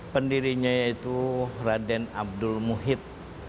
pendirinya yaitu raden abdul muhid